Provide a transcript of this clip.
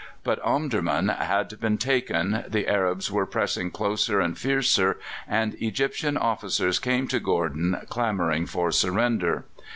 But Omdurman had been taken, the Arabs were pressing closer and fiercer, and Egyptian officers came to Gordon clamouring for surrender.